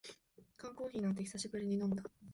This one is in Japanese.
缶コーヒーなんて久しぶりに飲んだ